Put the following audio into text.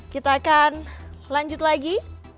kita akan lanjut lagi